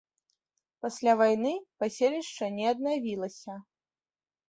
Пасля вайны паселішча не аднавілася.